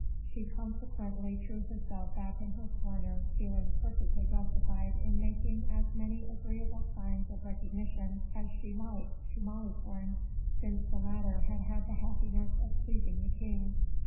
She consequently threw herself back in her corner, feeling perfectly justified in making as many agreeable signs of recognition as she liked to Malicorne, since the latter had had the happiness of pleasing the king.